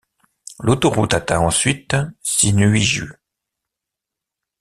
L'autoroute atteint ensuite Sinuiju.